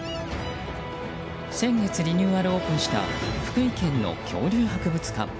先月、リニューアルオープンした福井県の恐竜博物館。